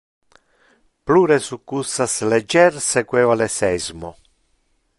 Plure succussas legier sequeva le seismo.